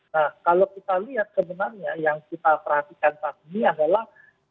nah kalau kita lihat sebenarnya yang kita perhatikan saat ini adalah